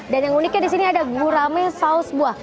dan yang uniknya di sini ada gurame saus buah